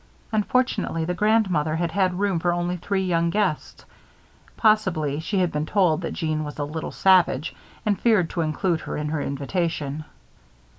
Unfortunately, the grandmother had had room for only three young guests. Possibly she had been told that Jeanne was a "Little Savage," and feared to include her in her invitation.